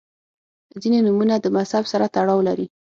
• ځینې نومونه د مذهب سره تړاو لري.